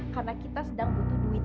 karena kita sedang butuh duit